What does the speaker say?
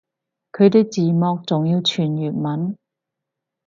佢啲字幕仲要全粵文